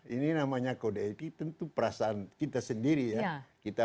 ini namanya kode etik tentu perasaan kita sendiri ya